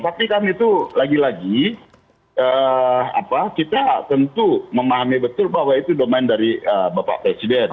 tapi kan itu lagi lagi kita tentu memahami betul bahwa itu domain dari bapak presiden